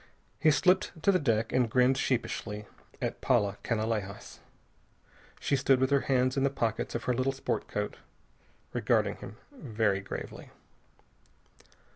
He slipped to the deck and grinned sheepishly at Paula Canalejas. She stood with her hands in the pockets of her little sport coat, regarding him very gravely.